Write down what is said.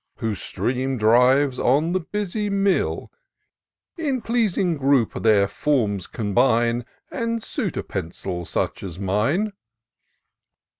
Whose stream drives on the busy mill ; In pleasing group their forms combine, And suit a pencil such as mine.